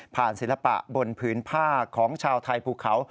ศิลปะบนผืนผ้าของชาวไทยภูเขา